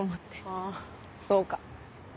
ああそうか。